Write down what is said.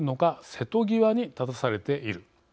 瀬戸際に立たされている。